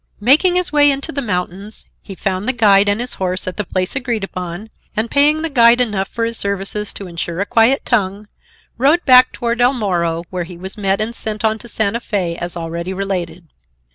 Making his way into the mountains, he found the guide and his horse at the place agreed upon and, paying the guide enough for his services to insure a quiet tongue, rode back toward El Moro where he was met and sent on to Santa Fe as already related.